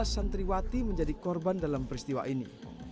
tujuh belas santriwati menjadi korban dalam peristiwa ini